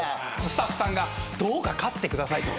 スタッフさんがどうか勝ってくださいと。